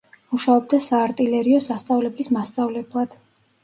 მუშაობდა საარტილერიო სასწავლებლის მასწავლებლად.